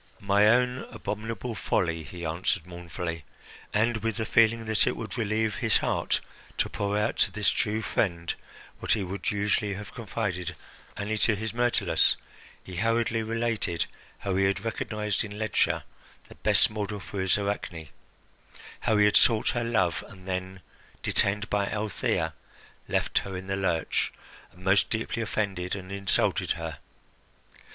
"My own abominable folly," he answered mournfully and, with the feeling that it would relieve his heart to pour out to this true friend what he would usually have confided only to his Myrtilus, he hurriedly related how he had recognised in Ledscha the best model for his Arachne, how he had sought her love, and then, detained by Althea, left her in the lurch and most deeply offended and insulted her.